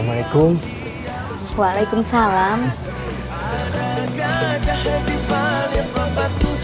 ada gajah di balet pang patuh